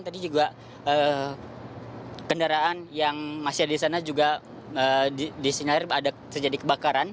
tadi juga kendaraan yang masih ada di sana juga disinyalir ada terjadi kebakaran